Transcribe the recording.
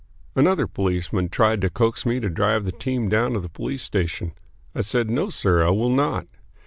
Another policeman tried to coax me to drive the team down to the police station. I said, "No, sir, I will not."